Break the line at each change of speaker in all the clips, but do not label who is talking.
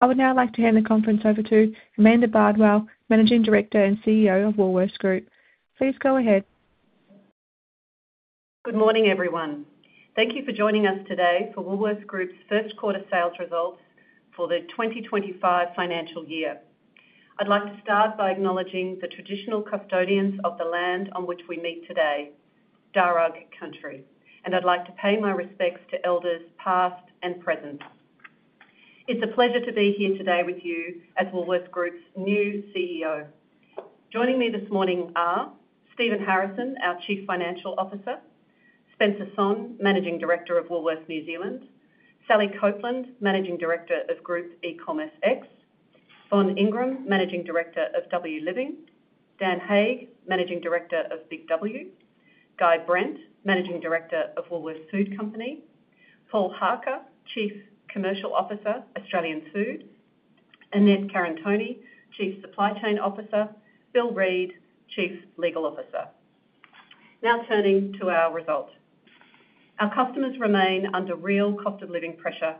I would now like to hand the conference over to Amanda Bardwell, Managing Director and CEO of Woolworths Group. Please go ahead.
Good morning, everyone. Thank you for joining us today for Woolworths Group's first quarter sales results for the 2025 financial year. I'd like to start by acknowledging the traditional custodians of the land on which we meet today, Darug Country, and I'd like to pay my respects to elders past and present. It's a pleasure to be here today with you as Woolworths Group's new CEO. Joining me this morning are Stephen Harrison, our Chief Financial Officer, Spencer Sonn, Managing Director of Woolworths New Zealand, Sally Copland, Managing Director of WooliesX, Von Ingram, Managing Director of W Living, Dan Hake, Managing Director of Big W, Guy Brent, Managing Director of Woolworths Food Company, Paul Harker, Chief Commercial Officer, Australian Food, Annette Karantoni, Chief Supply Chain Officer, Bill Reed, Chief Legal Officer. Now turning to our results. Our customers remain under real cost of living pressure,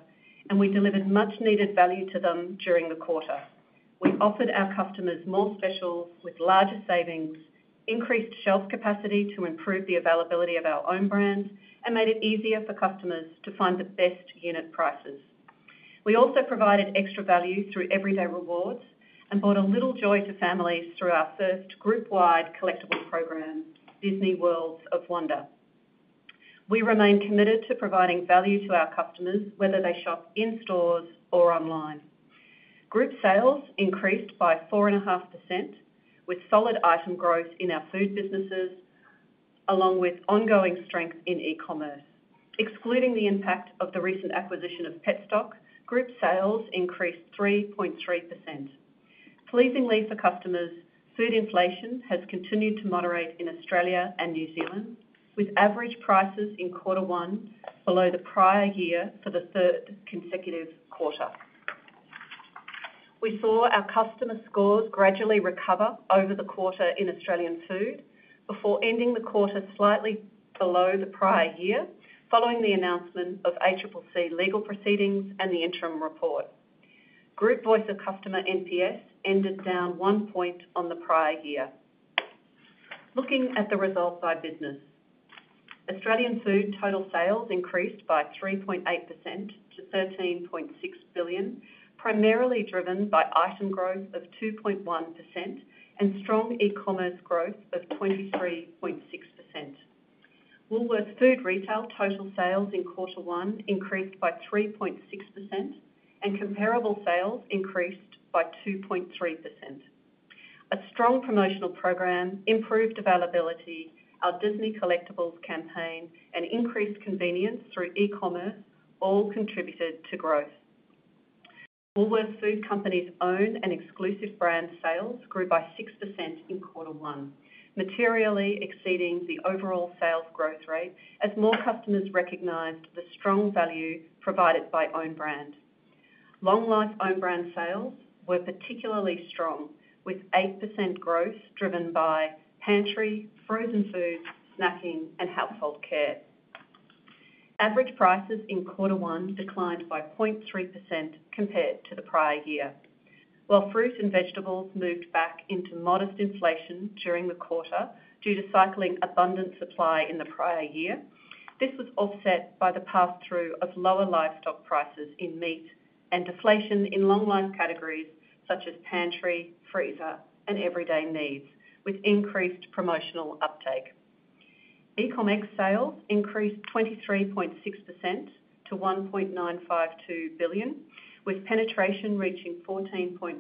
and we delivered much-needed value to them during the quarter. We offered our customers more specials with larger savings, increased shelf capacity to improve the availability of our own brand and made it easier for customers to find the best unit prices. We also provided extra value through Everyday Rewards and brought a little joy to families through our first group-wide collectible program, Disney Worlds of Wonder. We remain committed to providing value to our customers, whether they shop in stores or online. Group sales increased by 4.5%, with solid item growth in our food businesses, along with ongoing strength in e-commerce. Excluding the impact of the recent acquisition of Petstock, group sales increased 3.3%. Pleasingly for customers, food inflation has continued to moderate in Australia and New Zealand, with average prices in quarter one below the prior year for the third consecutive quarter. We saw our customer scores gradually recover over the quarter in Australian food before ending the quarter slightly below the prior year following the announcement of ACCC legal proceedings and the interim report. Group Voice of Customer, NPS ended down one point on the prior year. Looking at the results by business, Australian food total sales increased by 3.8% to 13.6 billion, primarily driven by item growth of 2.1% and strong e-commerce growth of 23.6%. Woolworths Food Retail total sales in quarter one increased by 3.6%, and comparable sales increased by 2.3%. A strong promotional program, improved availability, our Disney collectibles campaign, and increased convenience through e-commerce all contributed to growth. Woolworths Food Company's own and exclusive brand sales grew by 6% in quarter one, materially exceeding the overall sales growth rate as more customers recognized the strong value provided by own brand. Long-life own brand sales were particularly strong, with 8% growth driven by pantry, frozen foods, snacking, and household care. Average prices in quarter one declined by 0.3% compared to the prior year. While fruit and vegetables moved back into modest inflation during the quarter due to cycling abundant supply in the prior year, this was offset by the pass-through of lower livestock prices in meat and deflation in long-life categories such as pantry, freezer, and everyday needs, with increased promotional uptake. E-commerce sales increased 23.6% to 1.952 billion, with penetration reaching 14.5%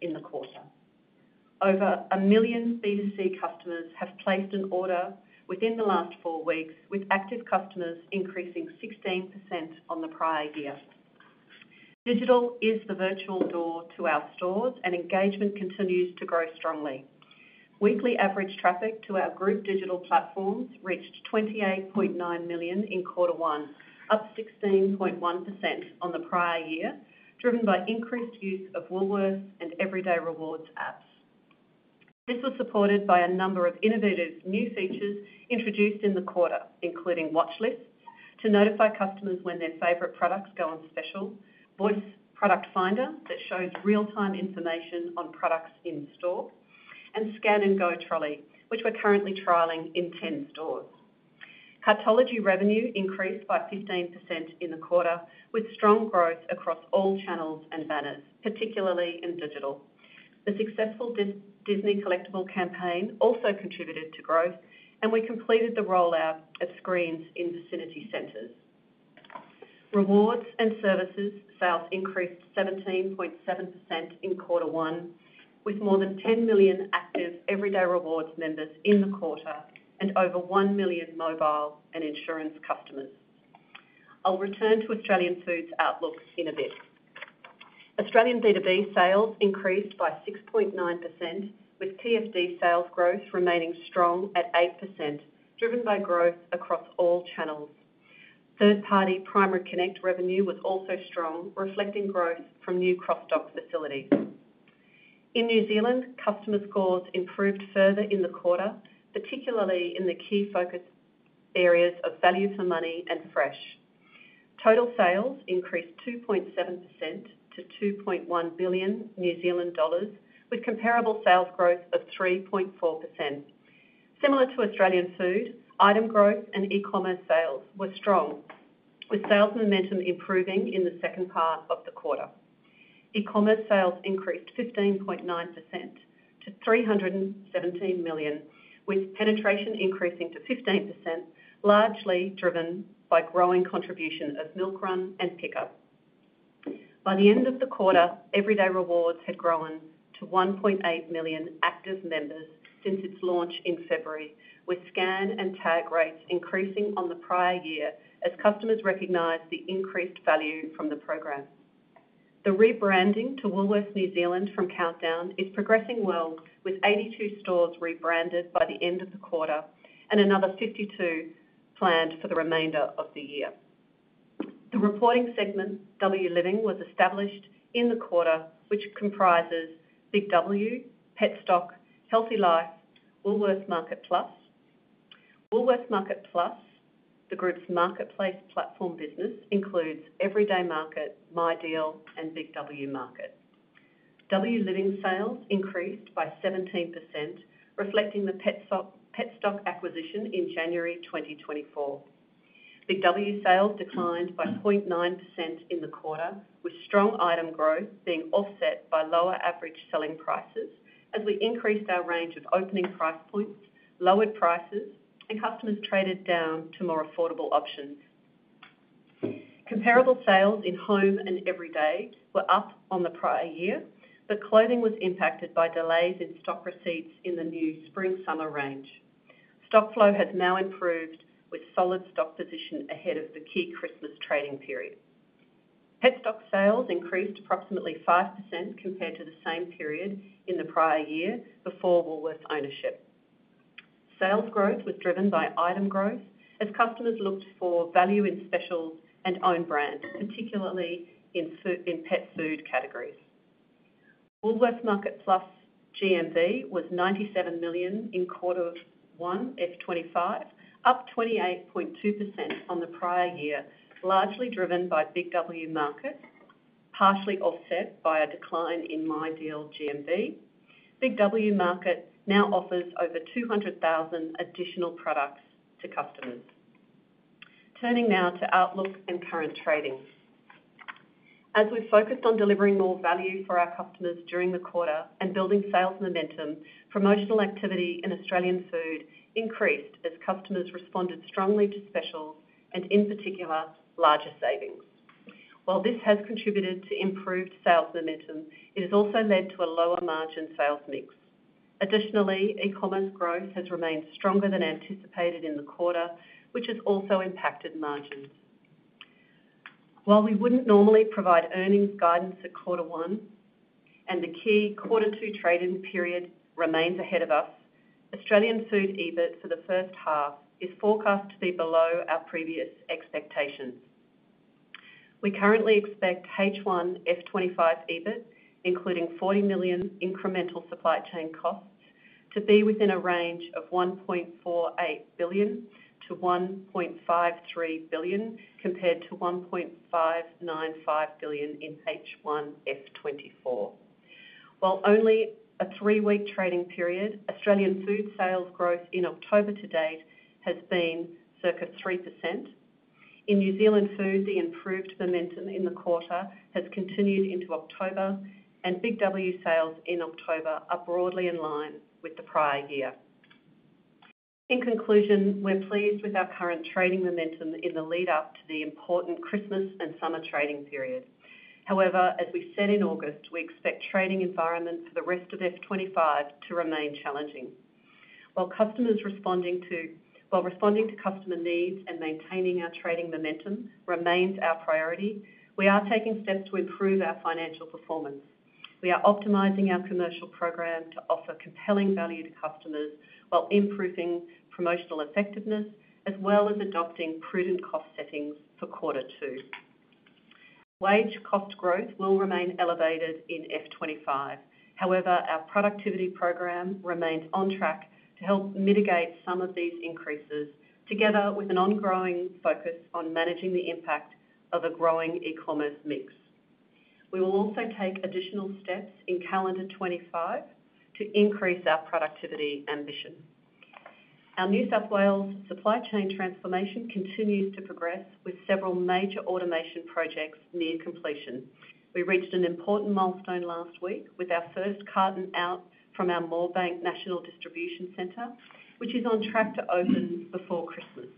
in the quarter. Over a million B2C customers have placed an order within the last four weeks, with active customers increasing 16% on the prior year. Digital is the virtual door to our stores, and engagement continues to grow strongly. Weekly average traffic to our group digital platforms reached 28.9 million in quarter one, up 16.1% on the prior year, driven by increased use of Woolworths and Everyday Rewards apps. This was supported by a number of innovative new features introduced in the quarter, including watchlists to notify customers when their favorite products go on special, Voice Product Finder that shows real-time information on products in store, and Scan&Go Trolley, which we're currently trialing in 10 stores. Cartology revenue increased by 15% in the quarter, with strong growth across all channels and banners, particularly in digital. The successful Disney collectible campaign also contributed to growth, and we completed the rollout of screens in Vicinity Centres. Rewards and services sales increased 17.7% in quarter one, with more than 10 million active Everyday Rewards members in the quarter and over one million mobile and insurance customers. I'll return to Australian Food's outlook in a bit. Australian B2B sales increased by 6.9%, with PFD sales growth remaining strong at 8%, driven by growth across all channels. Third-party Primary Connect revenue was also strong, reflecting growth from new cross-dock facilities. In New Zealand, customer scores improved further in the quarter, particularly in the key focus areas of value for money and fresh. Total sales increased 2.7% to 2.1 billion New Zealand dollars, with comparable sales growth of 3.4%. Similar to Australian Food, item growth and e-commerce sales were strong, with sales momentum improving in the second part of the quarter. E-commerce sales increased 15.9% to 317 million, with penetration increasing to 15%, largely driven by growing contribution of Milkrun and Pick Up. By the end of the quarter, Everyday Rewards had grown to 1.8 million active members since its launch in February, with scan and tag rates increasing on the prior year as customers recognized the increased value from the program. The rebranding to Woolworths New Zealand from Countdown is progressing well, with 82 stores rebranded by the end of the quarter and another 52 planned for the remainder of the year. The reporting segment, W Living, was established in the quarter, which comprises Big W, Petstock, HealthyLife, Woolworths MarketPlus. Woolworths MarketPlus, the group's marketplace platform business, includes Everyday Market, MyDeal, and Big W Market. W Living sales increased by 17%, reflecting the Petstock acquisition in January 2024. Big W sales declined by 0.9% in the quarter, with strong item growth being offset by lower average selling prices as we increased our range of opening price points, lowered prices, and customers traded down to more affordable options. Comparable sales in Home and Everyday were up on the prior year, but clothing was impacted by delays in stock receipts in the new spring-summer range. Stock flow has now improved, with solid stock position ahead of the key Christmas trading period. Petstock sales increased approximately 5% compared to the same period in the prior year before Woolworths ownership. Sales growth was driven by item growth as customers looked for value in specials and own brand, particularly in pet food categories. Woolworths MarketPlus GMV was 97 million in quarter one F25, up 28.2% on the prior year, largely driven by Big W Market, partially offset by a decline in MyDeal GMV. Big W Market now offers over 200,000 additional products to customers. Turning now to outlook and current trading. As we focused on delivering more value for our customers during the quarter and building sales momentum, promotional activity in Australian food increased as customers responded strongly to specials and, in particular, larger savings. While this has contributed to improved sales momentum, it has also led to a lower margin sales mix. Additionally, e-commerce growth has remained stronger than anticipated in the quarter, which has also impacted margins. While we wouldn't normally provide earnings guidance at quarter one and the key quarter two trading period remains ahead of us, Australian Food EBIT for the first half is forecast to be below our previous expectations. We currently expect H1 F 2025 EBIT, including 40 million incremental supply chain costs, to be within a range of 1.48 billion-1.53 billion compared to 1.595 billion in H1 F 2024. While only a three-week trading period, Australian Food sales growth in October to date has been circa 3%. In New Zealand Food, the improved momentum in the quarter has continued into October, and Big W sales in October are broadly in line with the prior year. In conclusion, we're pleased with our current trading momentum in the lead-up to the important Christmas and summer trading period. However, as we said in August, we expect trading environment for the rest of F 2025 to remain challenging. While responding to customer needs and maintaining our trading momentum remains our priority, we are taking steps to improve our financial performance. We are optimizing our commercial program to offer compelling value to customers while improving promotional effectiveness, as well as adopting prudent cost settings for quarter two. Wage cost growth will remain elevated in F 2025. However, our productivity program remains on track to help mitigate some of these increases, together with an ongoing focus on managing the impact of a growing e-commerce mix. We will also take additional steps in calendar 2025 to increase our productivity ambition. Our New South Wales supply chain transformation continues to progress, with several major automation projects near completion. We reached an important milestone last week with our first carton out from our Moorebank National Distribution Centre, which is on track to open before Christmas.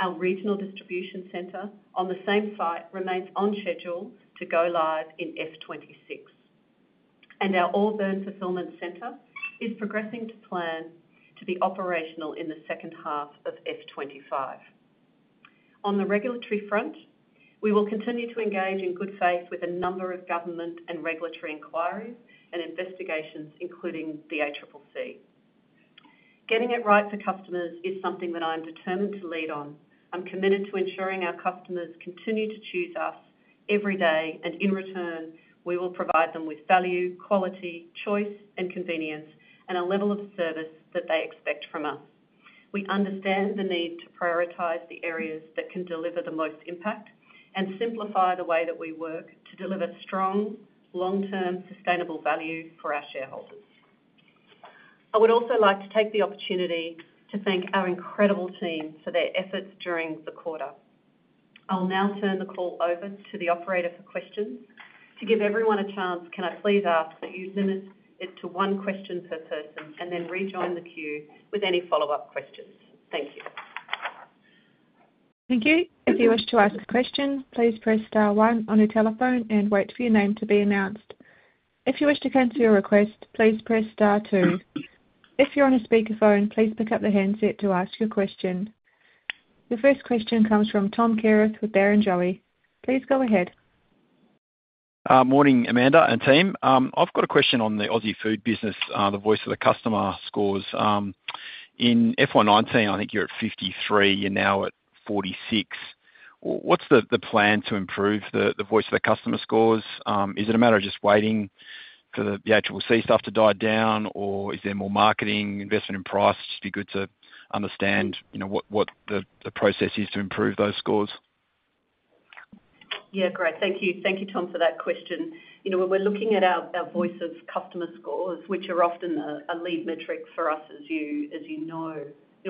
Our regional distribution center on the same site remains on schedule to go live in F 2026, and our Auburn Fulfillment Centre is progressing to plan to be operational in the second half of F 2025. On the regulatory front, we will continue to engage in good faith with a number of government and regulatory inquiries and investigations, including the ACCC. Getting it right for customers is something that I'm determined to lead on. I'm committed to ensuring our customers continue to choose us every day, and in return, we will provide them with value, quality, choice, and convenience, and a level of service that they expect from us. We understand the need to prioritize the areas that can deliver the most impact and simplify the way that we work to deliver strong, long-term, sustainable value for our shareholders. I would also like to take the opportunity to thank our incredible team for their efforts during the quarter. I'll now turn the call over to the operator for questions. To give everyone a chance, can I please ask that you limit it to one question per person and then rejoin the queue with any follow-up questions? Thank you.
Thank you. If you wish to ask a question, please press star one on your telephone and wait for your name to be announced. If you wish to cancel your request, please press star two. If you're on a speakerphone, please pick up the handset to ask your question. The first question comes from Tom Kierath with Barrenjoey. Please go ahead.
Morning, Amanda and team. I've got a question on the Aussie food business, the voice of the customer scores. In FY19, I think you're at 53. You're now at 46. What's the plan to improve the voice of the customer scores? Is it a matter of just waiting for the ACCC stuff to die down, or is there more marketing, investment in price to be good to understand what the process is to improve those scores?
Yeah, great. Thank you. Thank you, Tom, for that question. When we're looking at our Voice of Customer scores, which are often a lead metric for us, as you know,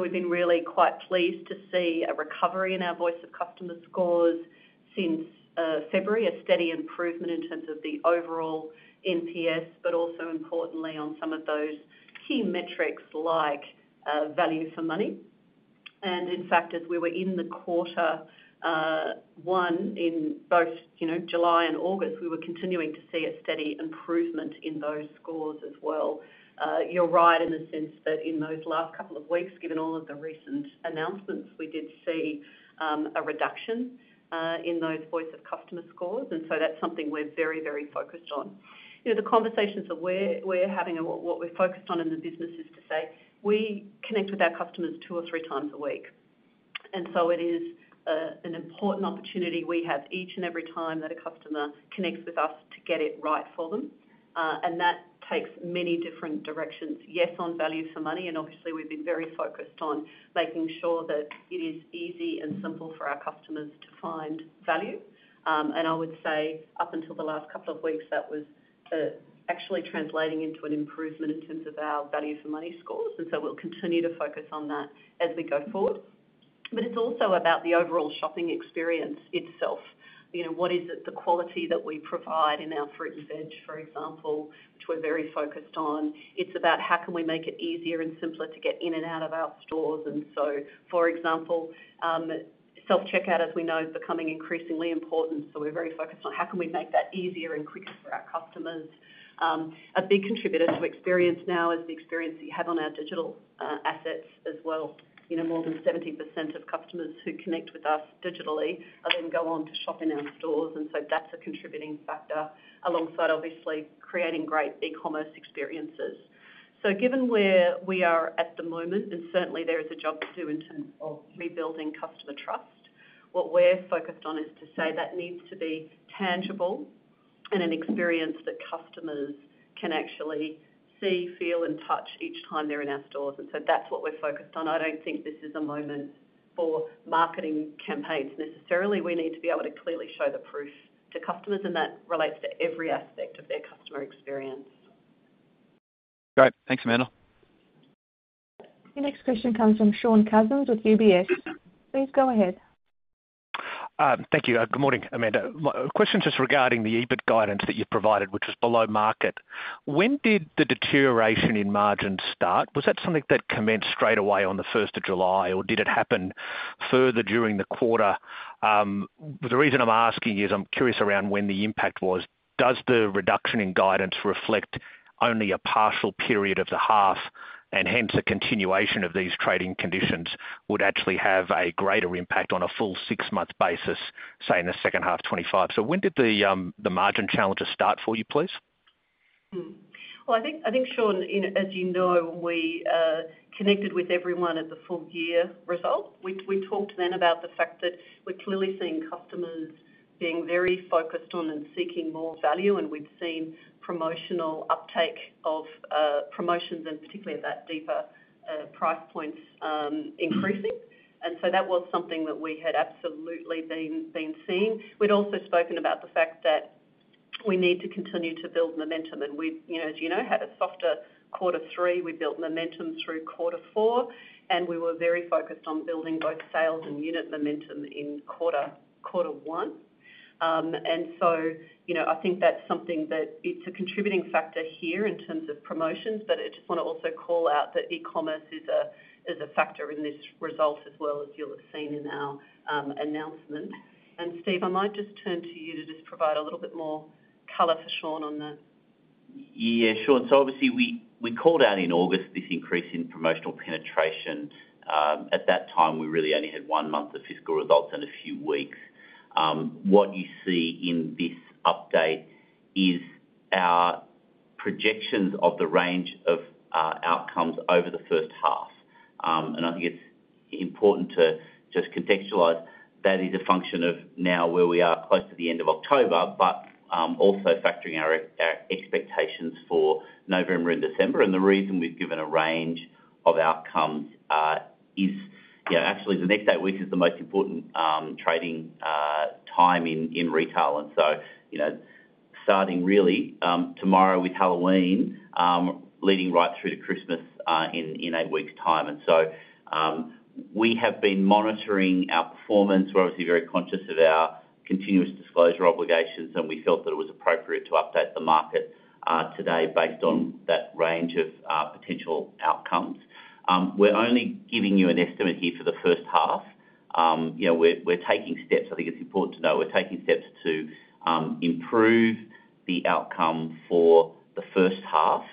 we've been really quite pleased to see a recovery in our voice of customer scores since February, a steady improvement in terms of the overall NPS, but also importantly on some of those key metrics like value for money. In fact, as we were in the quarter one in both July and August, we were continuing to see a steady improvement in those scores as well. You're right in the sense that in those last couple of weeks, given all of the recent announcements, we did see a reduction in those Voice of Customer scores, and so that's something we're very, very focused on. The conversations that we're having and what we're focused on in the business is to say we connect with our customers two or three times a week. It is an important opportunity we have each and every time that a customer connects with us to get it right for them, and that takes many different directions. Yes, on value for money, and obviously we've been very focused on making sure that it is easy and simple for our customers to find value. I would say up until the last couple of weeks, that was actually translating into an improvement in terms of our value for money scores, and so we'll continue to focus on that as we go forward. But it's also about the overall shopping experience itself. What is it, the quality that we provide in our fruit and veg, for example, which we're very focused on? It's about how can we make it easier and simpler to get in and out of our stores? And so, for example, self-checkout, as we know, is becoming increasingly important, so we're very focused on how can we make that easier and quicker for our customers. A big contributor to experience now is the experience that you have on our digital assets as well. More than 70% of customers who connect with us digitally then go on to shop in our stores, and so that's a contributing factor alongside, obviously, creating great e-commerce experiences. So given where we are at the moment, and certainly there is a job to do in terms of rebuilding customer trust, what we're focused on is to say that needs to be tangible and an experience that customers can actually see, feel, and touch each time they're in our stores. And so that's what we're focused on. I don't think this is a moment for marketing campaigns necessarily. We need to be able to clearly show the proof to customers, and that relates to every aspect of their customer experience.
Great. Thanks, Amanda.
The next question comes from Shaun Cousins with UBS. Please go ahead.
Thank you. Good morning, Amanda. Question just regarding the EBIT guidance that you've provided, which was below market. When did the deterioration in margins start? Was that something that commenced straight away on the 1st of July, or did it happen further during the quarter? The reason I'm asking is I'm curious around when the impact was. Does the reduction in guidance reflect only a partial period of the half, and hence a continuation of these trading conditions would actually have a greater impact on a full six-month basis, say in the second half 2025? So when did the margin challenges start for you, please?
Well, I think, Shaun, as you know, we connected with everyone at the full-year result. We talked then about the fact that we're clearly seeing customers being very focused on and seeking more value, and we've seen promotional uptake of promotions and particularly at that deeper price points increasing. And so that was something that we had absolutely been seeing. We'd also spoken about the fact that we need to continue to build momentum, and as you know, had a softer quarter three. We built momentum through quarter four, and we were very focused on building both sales and unit momentum in quarter one. And so I think that's something that it's a contributing factor here in terms of promotions, but I just want to also call out that e-commerce is a factor in this result as well as you'll have seen in our announcement. And Steve, I might just turn to you to just provide a little bit more color for Shaun on that.
Yeah, Shaun, so obviously we called out in August this increase in promotional penetration. At that time, we really only had one month of fiscal results and a few weeks. What you see in this update is our projections of the range of outcomes over the first half. And I think it's important to just contextualize that is a function of now where we are close to the end of October, but also factoring our expectations for November and December. And the reason we've given a range of outcomes is actually the next eight weeks is the most important trading time in retail. And so starting really tomorrow with Halloween, leading right through to Christmas in eight weeks' time. And so we have been monitoring our performance. We're obviously very conscious of our continuous disclosure obligations, and we felt that it was appropriate to update the market today based on that range of potential outcomes. We're only giving you an estimate here for the first half. We're taking steps. I think it's important to know we're taking steps to improve the outcome for the first half.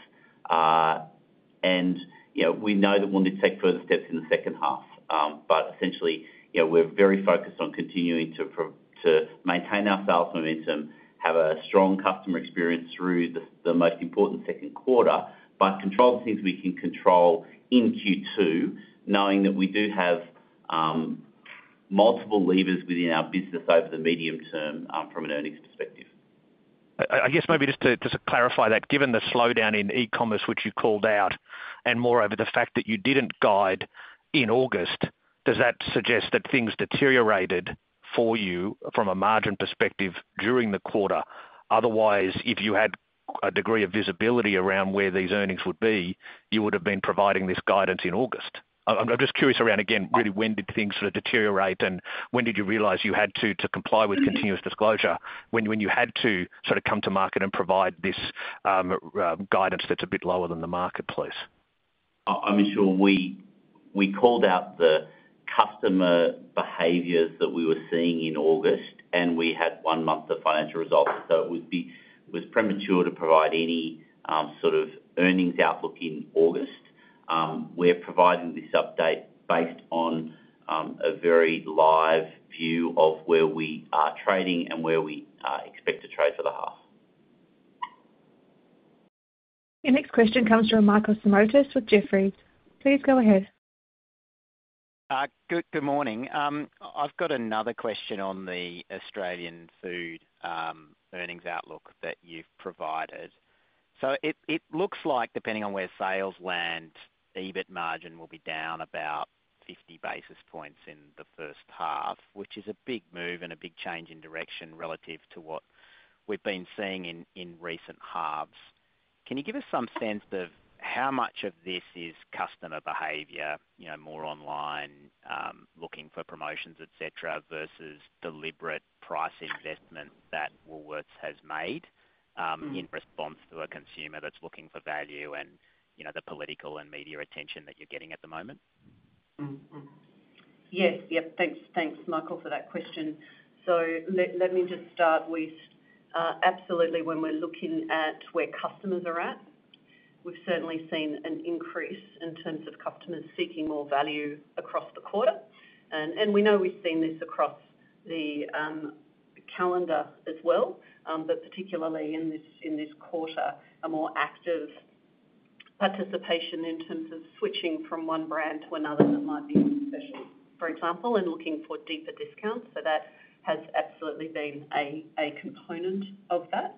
And we know that we'll need to take further steps in the second half, but essentially we're very focused on continuing to maintain our sales momentum, have a strong customer experience through the most important second quarter, but control the things we can control in Q2, knowing that we do have multiple levers within our business over the medium term from an earnings perspective.
I guess maybe just to clarify that, given the slowdown in e-commerce, which you called out, and moreover the fact that you didn't guide in August, does that suggest that things deteriorated for you from a margin perspective during the quarter? Otherwise, if you had a degree of visibility around where these earnings would be, you would have been providing this guidance in August. I'm just curious around, again, really when did things sort of deteriorate and when did you realize you had to comply with continuous disclosure when you had to sort of come to market and provide this guidance that's a bit lower than the marketplace?
I'm sure we called out the customer behaviors that we were seeing in August, and we had one month of financial results. So it was premature to provide any sort of earnings outlook in August. We're providing this update based on a very live view of where we are trading and where we expect to trade for the half.
The next question comes from Michael Simotas with Jefferies. Please go ahead.
Good morning. I've got another question on the Australian Food earnings outlook that you've provided. So it looks like, depending on where sales land, EBIT margin will be down about 50 basis points in the first half, which is a big move and a big change in direction relative to what we've been seeing in recent halves. Can you give us some sense of how much of this is customer behavior, more online looking for promotions, etc., versus deliberate price investment that Woolworths has made in response to a consumer that's looking for value and the political and media attention that you're getting at the moment?
Yes. Yep. Thanks, Michael, for that question. So let me just start with absolutely when we're looking at where customers are at, we've certainly seen an increase in terms of customers seeking more value across the quarter. And we know we've seen this across the calendar as well, but particularly in this quarter, a more active participation in terms of switching from one brand to another that might be special, for example, and looking for deeper discounts. So that has absolutely been a component of that.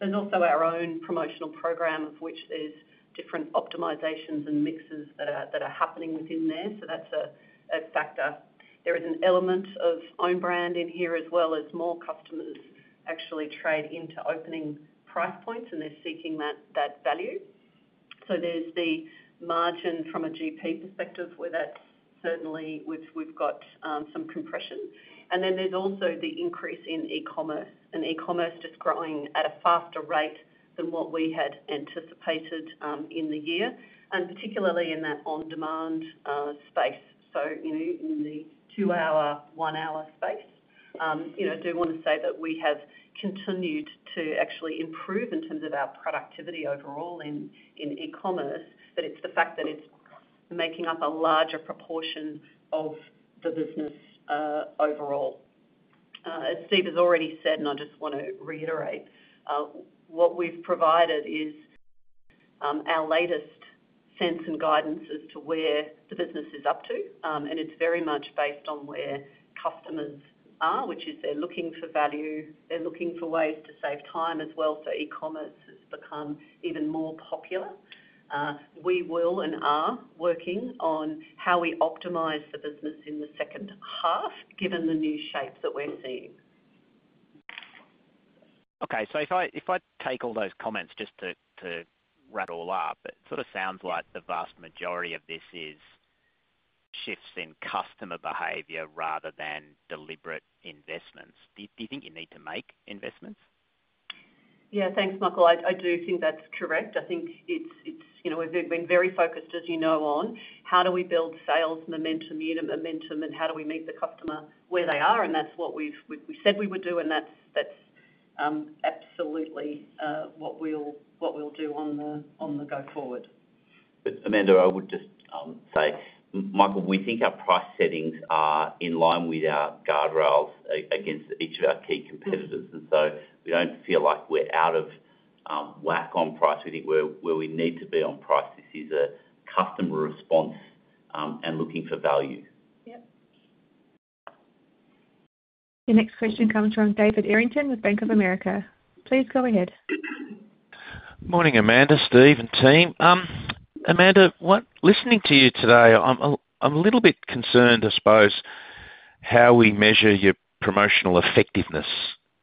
There's also our own promotional program, of which there's different optimizations and mixes that are happening within there. So that's a factor. There is an element of own brand in here as well, as more customers actually trade into opening price points and they're seeking that value. So there's the margin from a GP perspective where that's certainly we've got some compression. And then there's also the increase in e-commerce and e-commerce just growing at a faster rate than what we had anticipated in the year, and particularly in that on-demand space. So in the two-hour, one-hour space, I do want to say that we have continued to actually improve in terms of our productivity overall in e-commerce, but it's the fact that it's making up a larger proportion of the business overall. As Steve has already said, and I just want to reiterate, what we've provided is our latest sense and guidance as to where the business is up to, and it's very much based on where customers are, which is they're looking for value, they're looking for ways to save time as well. So e-commerce has become even more popular. We will and are working on how we optimize the business in the second half, given the new shape that we're seeing.
Okay. So if I take all those comments just to wrap it all up, it sort of sounds like the vast majority of this is shifts in customer behavior rather than deliberate investments. Do you think you need to make investments?
Yeah. Thanks, Michael. I do think that's correct. I think we've been very focused, as you know, on how do we build sales momentum, unit momentum, and how do we meet the customer where they are, and that's what we said we would do, and that's absolutely what we'll do on the go forward.
Amanda, I would just say, Michael, we think our price settings are in line with our guardrails against each of our key competitors, and so we don't feel like we're out of whack on price. We think where we need to be on price is a customer response and looking for value.
Yep.
The next question comes from David Errington with Bank of America. Please go ahead.
Morning, Amanda, Steve, and team. Amanda, listening to you today, I'm a little bit concerned, I suppose, how we measure your promotional effectiveness.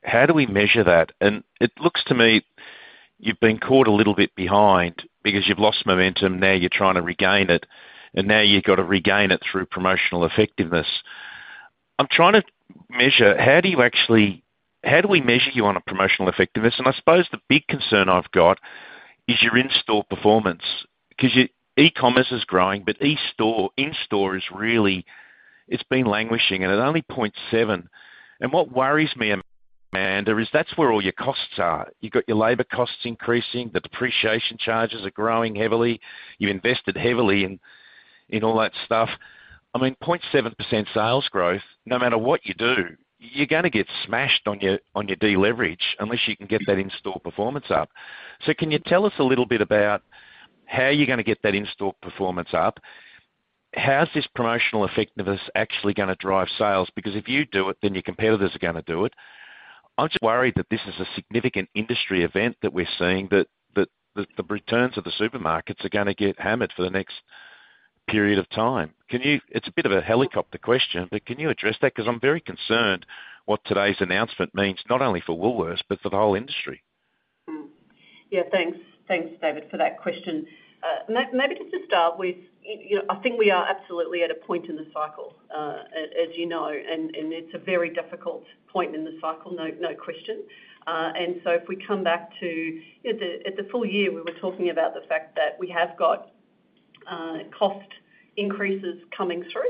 How do we measure that? And it looks to me you've been caught a little bit behind because you've lost momentum, now you're trying to regain it, and now you've got to regain it through promotional effectiveness. I'm trying to measure how we measure you on a promotional effectiveness. And I suppose the big concern I've got is your in-store performance because e-commerce is growing, but in-store is really, it's been languishing at only 0.7%. And what worries me, Amanda, is that's where all your costs are. You've got your labor costs increasing, the depreciation charges are growing heavily, you've invested heavily in all that stuff. I mean, 0.7% sales growth, no matter what you do, you're going to get smashed on your deleverage unless you can get that in-store performance up. So can you tell us a little bit about how you're going to get that in-store performance up? How's this promotional effectiveness actually going to drive sales? Because if you do it, then your competitors are going to do it. I'm just worried that this is a significant industry event that we're seeing that the returns of the supermarkets are going to get hammered for the next period of time. It's a bit of a helicopter question, but can you address that? Because I'm very concerned what today's announcement means, not only for Woolworths, but for the whole industry.
Yeah. Thanks, David, for that question. Maybe just to start with, I think we are absolutely at a point in the cycle, as you know, and it's a very difficult point in the cycle, no question, and so if we come back to at the full year, we were talking about the fact that we have got cost increases coming through,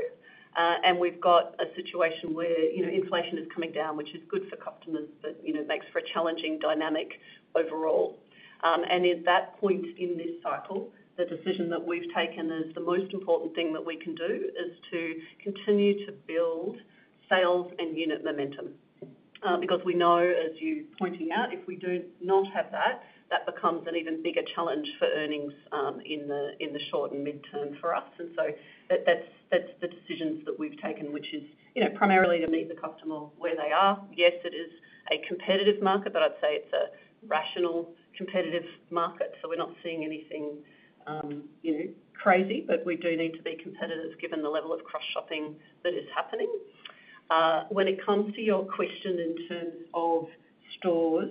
and we've got a situation where inflation is coming down, which is good for customers, but makes for a challenging dynamic overall, and at that point in this cycle, the decision that we've taken is the most important thing that we can do is to continue to build sales and unit momentum. Because we know, as you're pointing out, if we do not have that, that becomes an even bigger challenge for earnings in the short and midterm for us. That's the decisions that we've taken, which is primarily to meet the customer where they are. Yes, it is a competitive market, but I'd say it's a rational competitive market. So we're not seeing anything crazy, but we do need to be competitive given the level of cross-shopping that is happening. When it comes to your question in terms of stores,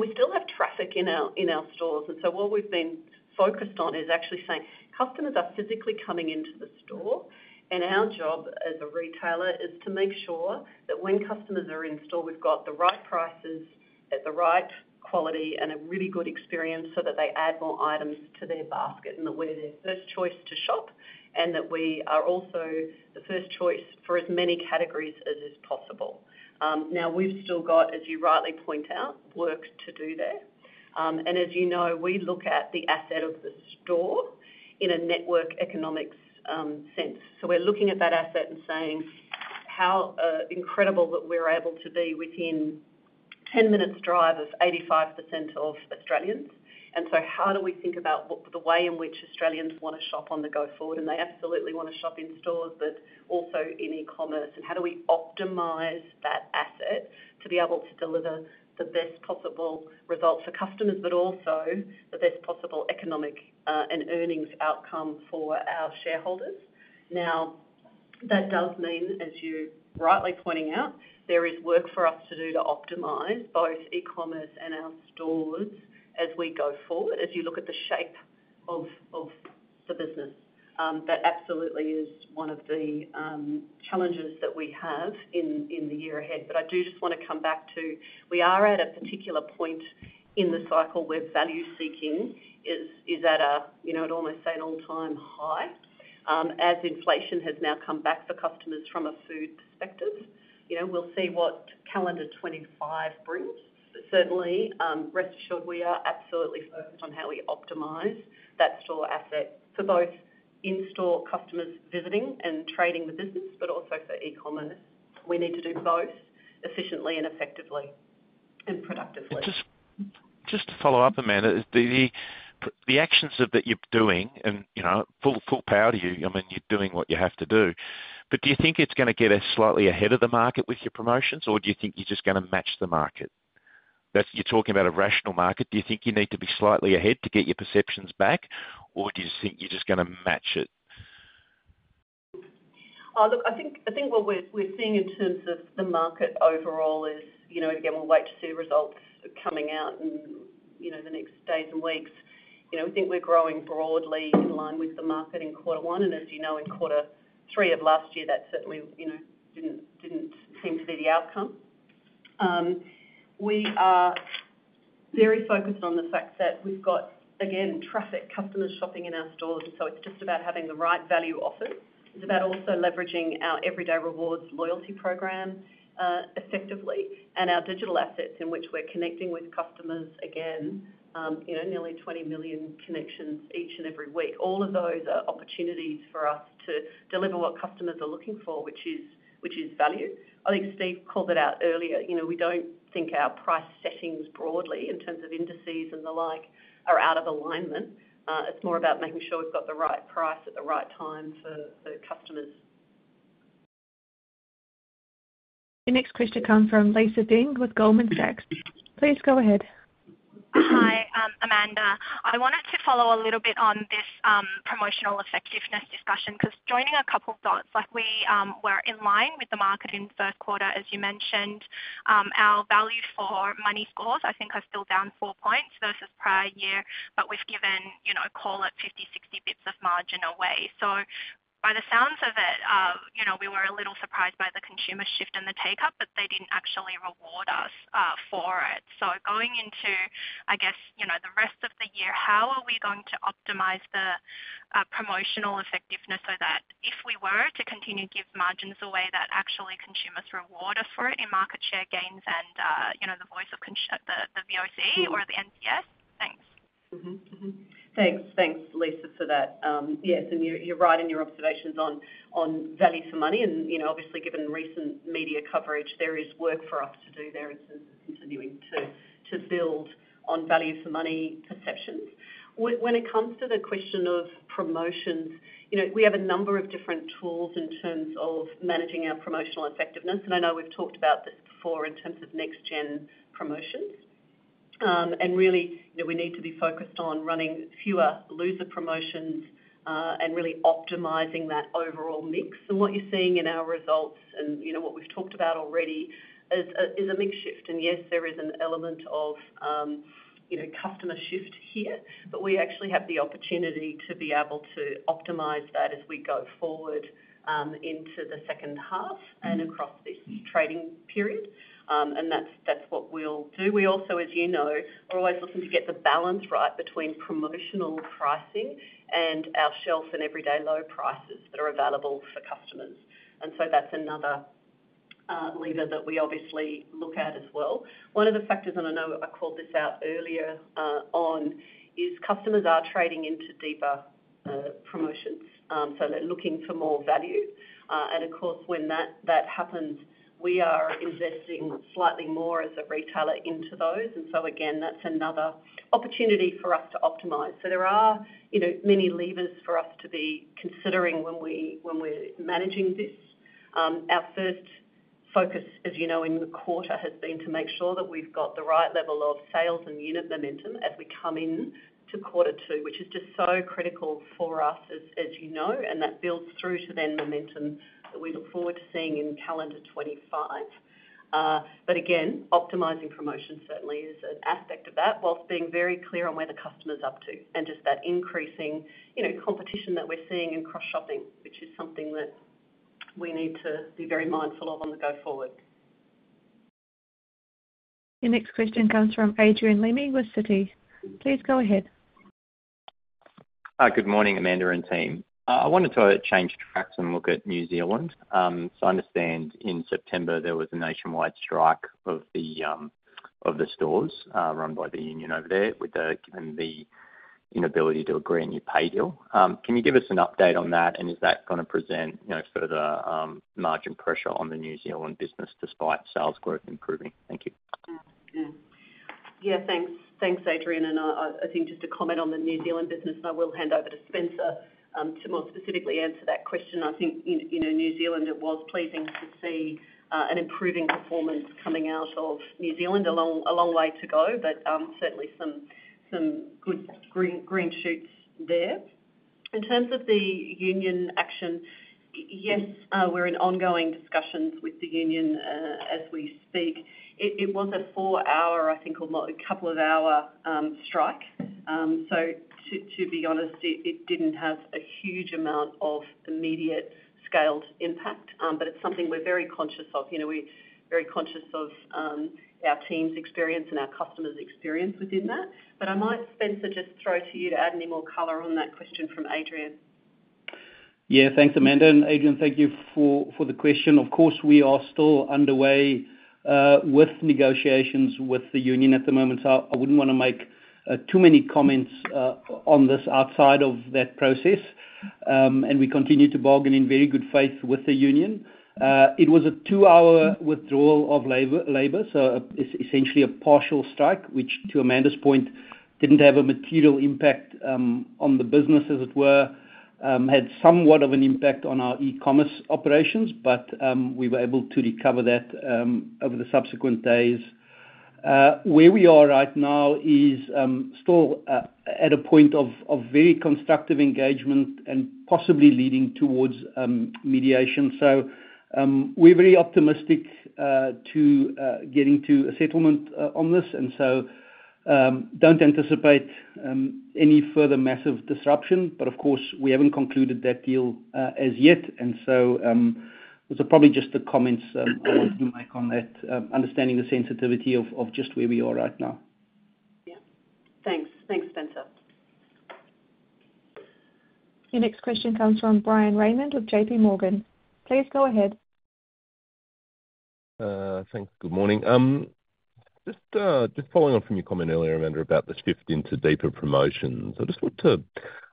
we still have traffic in our stores. What we've been focused on is actually saying customers are physically coming into the store, and our job as a retailer is to make sure that when customers are in store, we've got the right prices at the right quality and a really good experience so that they add more items to their basket and that we're their first choice to shop, and that we are also the first choice for as many categories as is possible. Now, we've still got, as you rightly point out, work to do there. And as you know, we look at the asset of the store in a network economics sense. So we're looking at that asset and saying how incredible that we're able to be within 10 minutes' drive of 85% of Australians. And so how do we think about the way in which Australians want to shop on the go forward? And they absolutely want to shop in stores, but also in e-commerce. And how do we optimize that asset to be able to deliver the best possible result for customers, but also the best possible economic and earnings outcome for our shareholders? Now, that does mean, as you rightly pointing out, there is work for us to do to optimize both e-commerce and our stores as we go forward as you look at the shape of the business. That absolutely is one of the challenges that we have in the year ahead. But I do just want to come back to we are at a particular point in the cycle where value seeking is at an almost all-time high as inflation has now come back for customers from a food perspective. We'll see what calendar 2025 brings. Certainly, rest assured we are absolutely focused on how we optimize that store asset for both in-store customers visiting and trading the business, but also for e-commerce. We need to do both efficiently and effectively and productively.
Just to follow up, Amanda, the actions that you're doing and full power to you, I mean you're doing what you have to do, but do you think it's going to get us slightly ahead of the market with your promotions, or do you think you're just going to match the market? You're talking about a rational market. Do you think you need to be slightly ahead to get your perceptions back, or do you think you're just going to match it?
Look, I think what we're seeing in terms of the market overall is, again, we'll wait to see results coming out in the next days and weeks. We think we're growing broadly in line with the market in quarter one. And as you know, in quarter three of last year, that certainly didn't seem to be the outcome. We are very focused on the fact that we've got, again, traffic, customers shopping in our stores. And so it's just about having the right value offer. It's about also leveraging our Everyday Rewards loyalty program effectively and our digital assets in which we're connecting with customers again, nearly 20 million connections each and every week. All of those are opportunities for us to deliver what customers are looking for, which is value. I think Steve called it out earlier. We don't think our price settings broadly in terms of indices and the like are out of alignment. It's more about making sure we've got the right price at the right time for customers. The next question comes from Lisa Deng with Goldman Sachs. Please go ahead.
Hi, Amanda. I wanted to follow a little bit on this promotional effectiveness discussion because joining a couple of dots, we were in line with the market in the first quarter, as you mentioned. Our value for money scores, I think, are still down four points versus prior year, but we've given, call it, 50-60 basis points of margin away. So by the sounds of it, we were a little surprised by the consumer shift and the take-up, but they didn't actually reward us for it. So going into, I guess, the rest of the year, how are we going to optimize the promotional effectiveness so that if we were to continue to give margins away, that actually consumers reward us for it in market share gains and the voice of the - VoC or the NPS? Thanks.
Thanks, Lisa, for that. Yes. And you're right in your observations on value for money. And obviously, given recent media coverage, there is work for us to do there in terms of continuing to build on value for money perceptions. When it comes to the question of promotions, we have a number of different tools in terms of managing our promotional effectiveness. I know we've talked about this before in terms of next-gen promotions. Really, we need to be focused on running fewer loser promotions and really optimizing that overall mix. What you're seeing in our results and what we've talked about already is a mix shift. Yes, there is an element of customer shift here, but we actually have the opportunity to be able to optimize that as we go forward into the second half and across the e-trading period. That's what we'll do. We also, as you know, are always looking to get the balance right between promotional pricing and our shelf and everyday low prices that are available for customers. So that's another lever that we obviously look at as well. One of the factors, and I know I called this out earlier on, is customers are trading into deeper promotions. They're looking for more value. Of course, when that happens, we are investing slightly more as a retailer into those. Again, that's another opportunity for us to optimize. There are many levers for us to be considering when we're managing this. Our first focus, as you know, in the quarter has been to make sure that we've got the right level of sales and unit momentum as we come into quarter two, which is just so critical for us, as you know, and that builds through to then momentum that we look forward to seeing in calendar 2025. Again, optimizing promotions certainly is an aspect of that while being very clear on where the customer's up to and just that increasing competition that we're seeing in cross-shopping, which is something that we need to be very mindful of going forward.
The next question comes from Adrian Lemme with Citi. Please go ahead.
Good morning, Amanda and team. I wanted to change tracks and look at New Zealand. So I understand in September there was a nationwide strike of the stores run by the union over there given the inability to agree on your pay deal. Can you give us an update on that, and is that going to present further margin pressure on the New Zealand business despite sales growth improving? Thank you.
Yeah. Thanks, Adrian. And I think just to comment on the New Zealand business, I will hand over to Spencer to more specifically answer that question. I think in New Zealand, it was pleasing to see an improving performance coming out of New Zealand. A long way to go, but certainly some good green shoots there. In terms of the union action, yes, we're in ongoing discussions with the union as we speak. It was a four-hour, I think, or a couple of hour strike. So to be honest, it didn't have a huge amount of immediate scaled impact, but it's something we're very conscious of. We're very conscious of our team's experience and our customer's experience within that. But I might, Spencer, just throw to you to add any more color on that question from Adrian.
Yeah. Thanks, Amanda. And Adrian, thank you for the question. Of course, we are still underway with negotiations with the union at the moment. So I wouldn't want to make too many comments on this outside of that process. And we continue to bargain in very good faith with the union. It was a two-hour withdrawal of labor, so essentially a partial strike, which, to Amanda's point, didn't have a material impact on the business as it were. It had somewhat of an impact on our e-commerce operations, but we were able to recover that over the subsequent days. Where we are right now is still at a point of very constructive engagement and possibly leading towards mediation. So we're very optimistic to getting to a settlement on this and so don't anticipate any further massive disruption. But of course, we haven't concluded that deal as yet and so those are probably just the comments I wanted to make on that, understanding the sensitivity of just where we are right now.
Yeah. Thanks. Thanks, Spencer.
The next question comes from Bryan Raymond with JPMorgan. Please go ahead.
Thanks. Good morning. Just following on from your comment earlier, Amanda, about the shift into deeper promotions. I just want to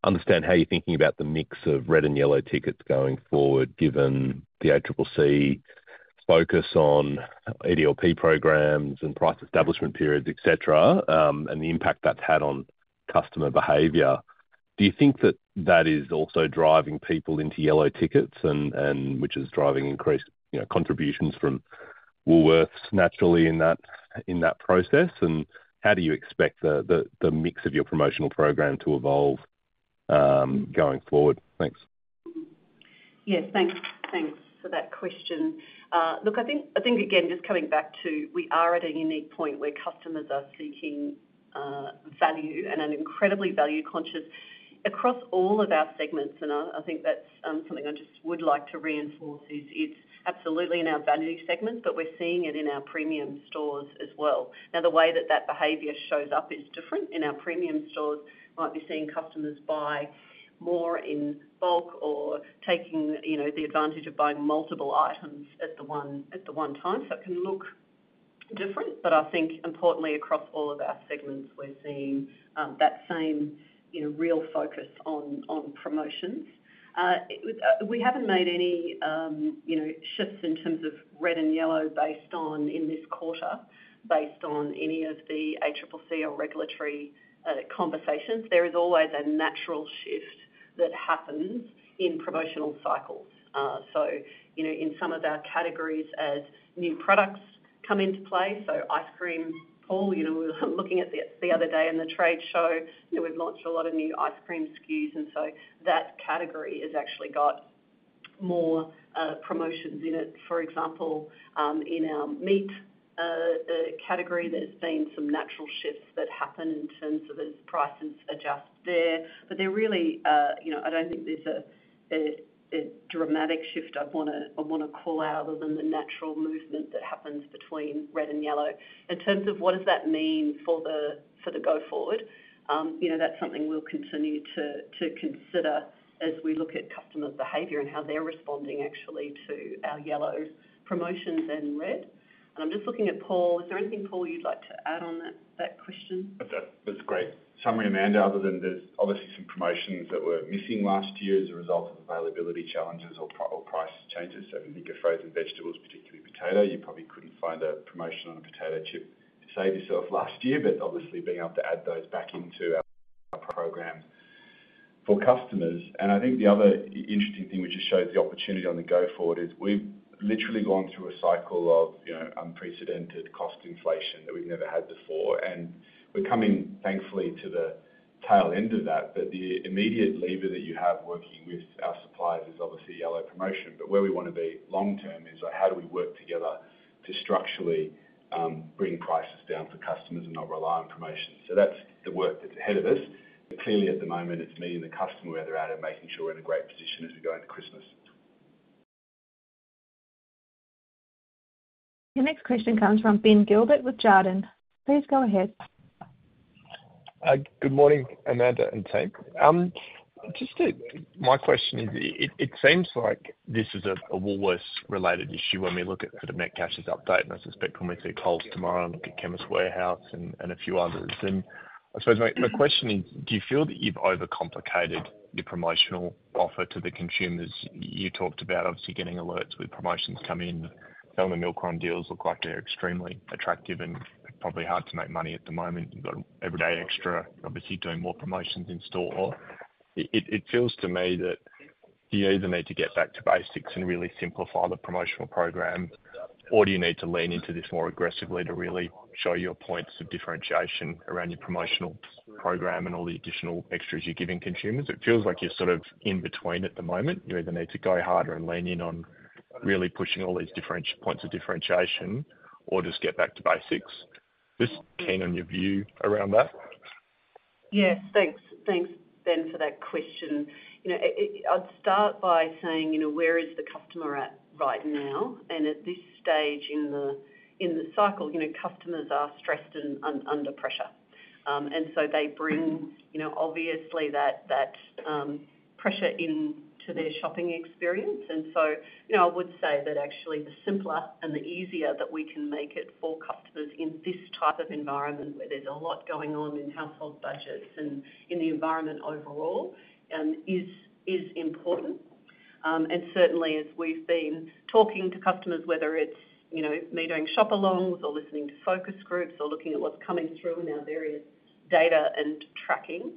understand how you're thinking about the mix of red and yellow tickets going forward, given the ACCC focus on ADLP programs and price establishment periods, etc., and the impact that's had on customer behavior. Do you think that that is also driving people into yellow tickets, which is driving increased contributions from Woolworths naturally in that process? And how do you expect the mix of your promotional program to evolve going forward? Thanks.
Yes. Thanks. Thanks for that question. Look, I think again, just coming back to, we are at a unique point where customers are seeking value and an incredibly value-conscious across all of our segments. I think that's something I just would like to reinforce is it's absolutely in our value segment, but we're seeing it in our premium stores as well. Now, the way that that behavior shows up is different. In our premium stores, we might be seeing customers buy more in bulk or taking the advantage of buying multiple items at the one time. So it can look different. But I think, importantly, across all of our segments, we're seeing that same real focus on promotions. We haven't made any shifts in terms of red and yellow based on in this quarter, based on any of the ACCC or regulatory conversations. There is always a natural shift that happens in promotional cycles. So in some of our categories, as new products come into play, so ice cream, Paul, we were looking at the other day in the trade show. We've launched a lot of new ice cream SKUs. And so that category has actually got more promotions in it. For example, in our meat category, there's been some natural shifts that happen in terms of as prices adjust there. But they're really. I don't think there's a dramatic shift I want to call out other than the natural movement that happens between red and yellow. In terms of what does that mean for the go forward, that's something we'll continue to consider as we look at customer behavior and how they're responding actually to our yellow promotions and red. And I'm just looking at Paul. Is there anything, Paul, you'd like to add on that question?
That's a great summary, Amanda, other than there's obviously some promotions that were missing last year as a result of availability challenges or price changes. So if you think of frozen vegetables, particularly potato, you probably couldn't find a promotion on a potato chip to save yourself last year. But obviously, being able to add those back into our programs for customers. And I think the other interesting thing which just shows the opportunity going forward is we've literally gone through a cycle of unprecedented cost inflation that we've never had before. And we're coming, thankfully, to the tail end of that. But the immediate lever that you have working with our suppliers is obviously yellow promotion. But where we want to be long term is how do we work together to structurally bring prices down for customers and not rely on promotions. So that's the work that's ahead of us. Clearly, at the moment, it's me and the customer where they're at and making sure we're in a great position as we go into Christmas.
The next question comes from Ben Gilbert with Jarden. Please go ahead.
Good morning, Amanda and team. Just my question is, it seems like this is a Woolworths-related issue when we look at the net sales update. And I suspect when we see Coles tomorrow and look at Chemist Warehouse and a few others. And I suppose my question is, do you feel that you've overcomplicated your promotional offer to the consumers? You talked about obviously getting alerts with promotions coming in. Some of the Milkrun deals look like they're extremely attractive and probably hard to make money at the moment. You've got Everyday Extra, obviously doing more promotions in store. It feels to me that you either need to get back to basics and really simplify the promotional program, or do you need to lean into this more aggressively to really show your points of differentiation around your promotional program and all the additional extras you're giving consumers? It feels like you're sort of in between at the moment. You either need to go harder and lean in on really pushing all these points of differentiation or just get back to basics. Just keen on your view around that.
Yes. Thanks. Thanks, Ben, for that question. I'd start by saying where is the customer at right now? And at this stage in the cycle, customers are stressed and under pressure. And so they bring obviously that pressure into their shopping experience. And so I would say that actually the simpler and the easier that we can make it for customers in this type of environment where there's a lot going on in household budgets and in the environment overall is important. And certainly, as we've been talking to customers, whether it's me doing shop-alongs or listening to focus groups or looking at what's coming through in our various data and tracking,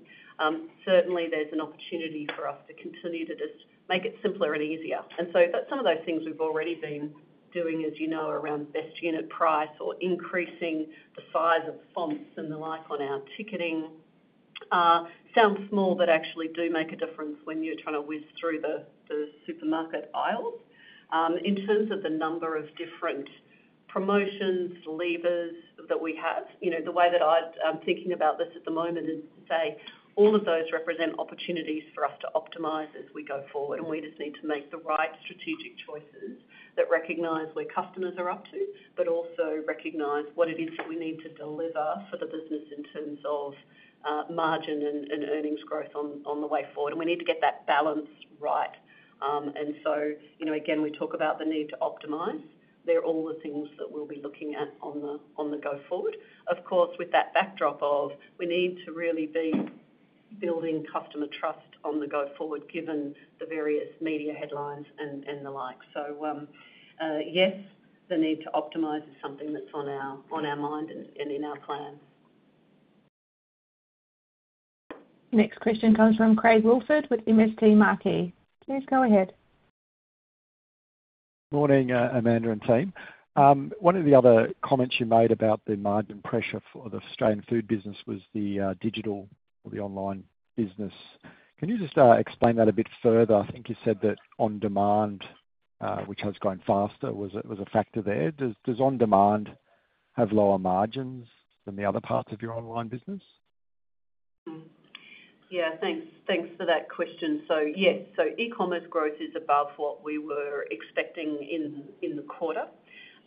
certainly there's an opportunity for us to continue to just make it simpler and easier. And so some of those things we've already been doing, as you know, around best unit price or increasing the size of fonts and the like on our ticketing sounds small, but actually do make a difference when you're trying to whiz through the supermarket aisles. In terms of the number of different promotions, levers that we have, the way that I'm thinking about this at the moment is to say all of those represent opportunities for us to optimize as we go forward. And we just need to make the right strategic choices that recognize where customers are up to, but also recognize what it is that we need to deliver for the business in terms of margin and earnings growth on the way forward. And we need to get that balance right. And so again, we talk about the need to optimize. They're all the things that we'll be looking at on the go forward. Of course, with that backdrop of we need to really be building customer trust on the go forward given the various media headlines and the like. So yes, the need to optimize is something that's on our mind and in our plan.
Next question comes from Craig Woolford with MST Marquee. Please go ahead.
Good morning, Amanda and team. One of the other comments you made about the margin pressure for the Australian Food business was the digital or the online business. Can you just explain that a bit further? I think you said that on-demand, which has grown faster, was a factor there. Does on-demand have lower margins than the other parts of your online business?
Yeah. Thanks for that question. So yes, so e-commerce growth is above what we were expecting in the quarter.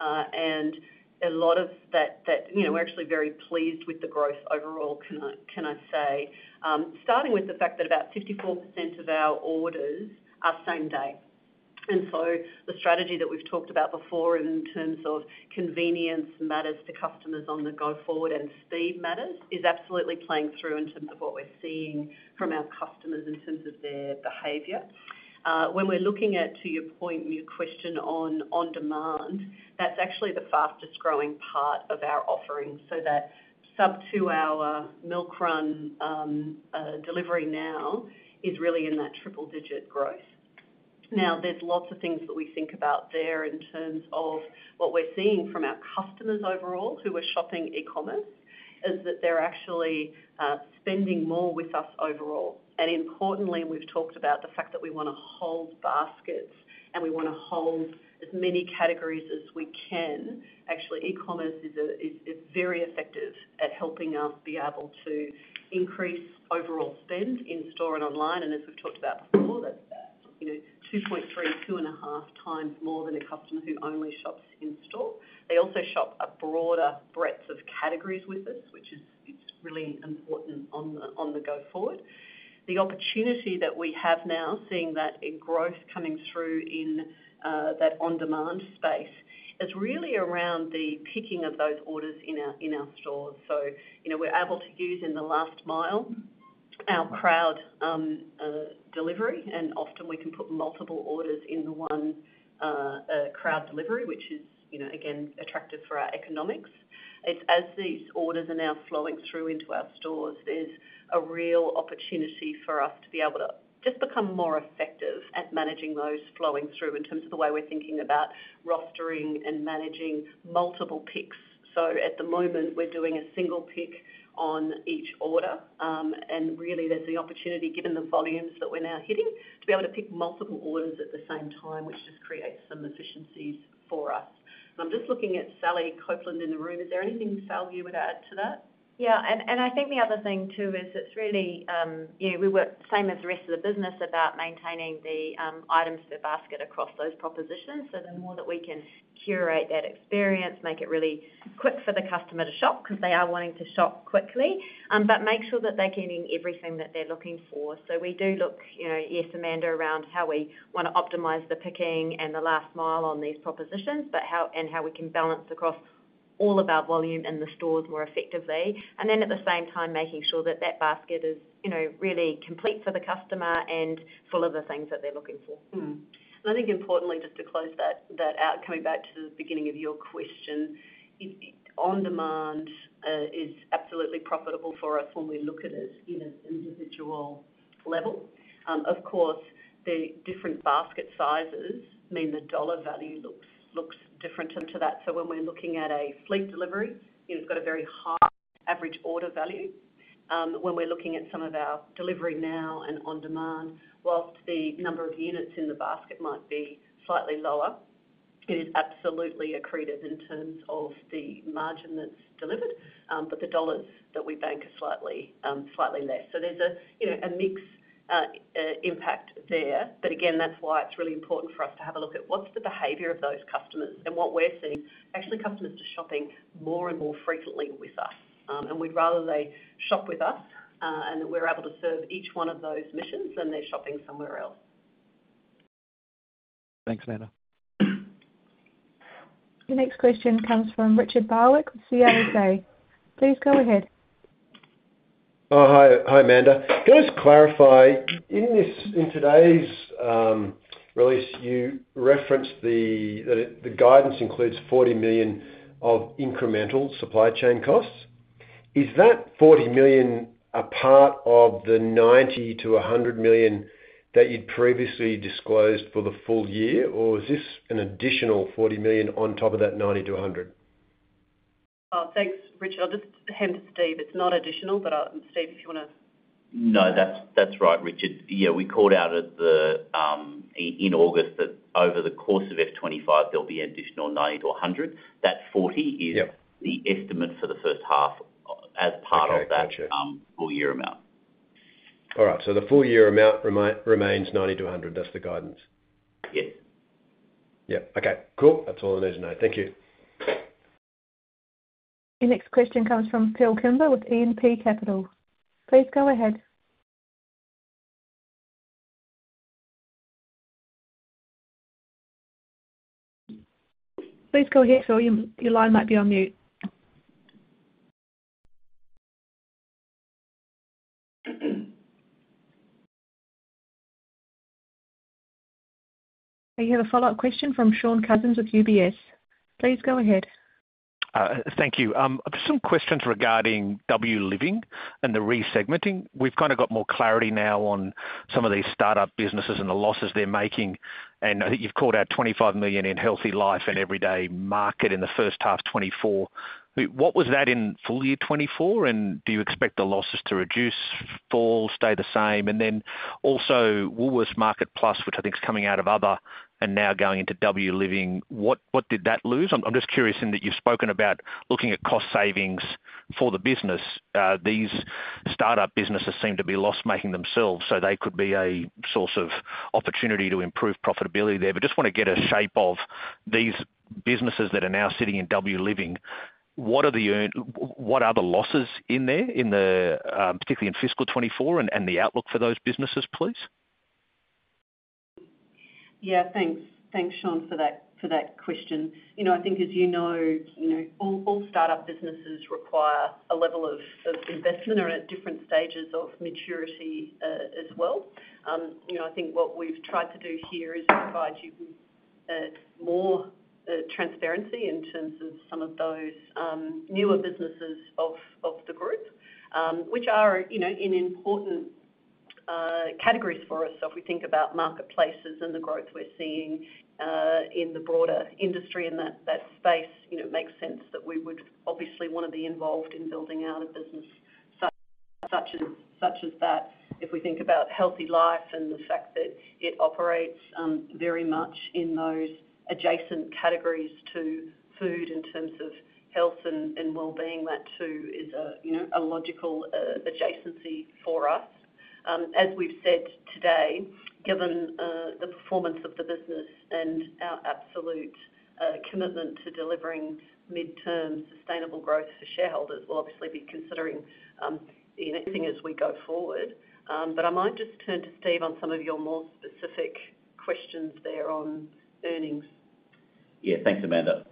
And a lot of that we're actually very pleased with the growth overall, can I say, starting with the fact that about 54% of our orders are same-day. And so the strategy that we've talked about before in terms of convenience matters to customers on the Go Forward and speed matters is absolutely playing through in terms of what we're seeing from our customers in terms of their behavior. When we're looking at, to your point, your question on on-demand, that's actually the fastest growing part of our offering. So that sub-two-hour Milkrun delivery now is really in that triple-digit growth. Now, there's lots of things that we think about there in terms of what we're seeing from our customers overall who are shopping e-commerce, is that they're actually spending more with us overall. And importantly, we've talked about the fact that we want to hold baskets and we want to hold as many categories as we can. Actually, e-commerce is very effective at helping us be able to increase overall spend in store and online. As we've talked about before, that's 2.3-2.5 times more than a customer who only shops in store. They also shop a broader breadth of categories with us, which is really important on the go forward. The opportunity that we have now, seeing that growth coming through in that on-demand space, is really around the picking of those orders in our stores. We're able to use in the last mile our crowd delivery. Often we can put multiple orders in the one crowd delivery, which is, again, attractive for our economics. As these orders are now flowing through into our stores, there's a real opportunity for us to be able to just become more effective at managing those flowing through in terms of the way we're thinking about rostering and managing multiple picks. At the moment, we're doing a single pick on each order. And really, there's the opportunity, given the volumes that we're now hitting, to be able to pick multiple orders at the same time, which just creates some efficiencies for us. And I'm just looking at Sally Copland in the room. Is there anything, Sally, you would add to that?
Yeah. And I think the other thing too is it's really we work same as the rest of the business about maintaining the items per basket across those propositions. So the more that we can curate that experience, make it really quick for the customer to shop because they are wanting to shop quickly, but make sure that they're getting everything that they're looking for. So we do look, yes, Amanda, around how we want to optimize the picking and the last mile on these propositions and how we can balance across all of our volume in the stores more effectively. And then at the same time, making sure that that basket is really complete for the customer and full of the things that they're looking for.
And I think, importantly, just to close that out, coming back to the beginning of your question, on-demand is absolutely profitable for us when we look at it as an individual level. Of course, the different basket sizes mean the dollar value looks different to that. So when we're looking at a fleet delivery, it's got a very high average order value. When we're looking at some of our delivery now and on-demand, whilst the number of units in the basket might be slightly lower, it is absolutely accretive in terms of the margin that's delivered. But the dollars that we bank are slightly less. So there's a mixed impact there. But again, that's why it's really important for us to have a look at what's the behavior of those customers and what we're seeing. Actually, customers are shopping more and more frequently with us. And we'd rather they shop with us and that we're able to serve each one of those missions than they're shopping somewhere else.
Thanks, Amanda.
The next question comes from Richard Barwick with CLSA. Please go ahead.
Hi, Amanda. Can I just clarify? In today's release, you referenced that the guidance includes 40 million of incremental supply chain costs. Is that 40 million a part of the 90 million-100 million that you'd previously disclosed for the full year? Or is this an additional 40 million on top of that 90 million-100 million?
Thanks, Richard. I'll just hand to Steve. It's not additional. But Steve, if you want to.
No, that's right, Richard. Yeah, we called out in August that over the course of F25, there'll be an additional 90 to 100. That 40 is the estimate for the first half as part of that full year amount.
All right. So the full year amount remains 90 to 100. That's the guidance?
Yes.
Yeah. Okay. Cool. That's all I need to know. Thank you.
The next question comes from Phil Kimber with E&P Capital. Please go ahead. Please go ahead, Phil. Your line might be on mute. You have a follow-up question from Shaun Cousins with UBS. Please go ahead.
Thank you. Some questions regarding W Living and the resegmenting. We've kind of got more clarity now on some of these startup businesses and the losses they're making. And I think you've called out 25 million in HealthyLife and Everyday Market in the first half of 2024. What was that in full year 2024? And do you expect the losses to reduce, fall, stay the same? And then also Woolworths MarketPlus, which I think is coming out of other and now going into W Living. What did that lose? I'm just curious in that you've spoken about looking at cost savings for the business. These startup businesses seem to be loss-making themselves. So they could be a source of opportunity to improve profitability there. But just want to get a shape of these businesses that are now sitting in W Living. What are the losses in there, particularly in fiscal 2024, and the outlook for those businesses, please?
Yeah. Thanks, Shaun, for that question. I think, as you know, all startup businesses require a level of investment and at different stages of maturity as well. I think what we've tried to do here is provide you with more transparency in terms of some of those newer businesses of the group, which are in important categories for us. So if we think about marketplaces and the growth we're seeing in the broader industry in that space, it makes sense that we would obviously want to be involved in building out a business such as that. If we think about HealthyLife and the fact that it operates very much in those adjacent categories to food in terms of health and well-being, that too is a logical adjacency for us. As we've said today, given the performance of the business and our absolute commitment to delivering mid-term sustainable growth for shareholders, we'll obviously be considering the thing as we go forward. But I might just turn to Steve on some of your more specific questions there on earnings.
Yeah. Thanks, Amanda.